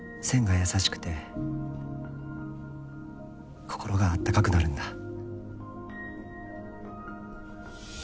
線が優しくて心が温かくなるんだ。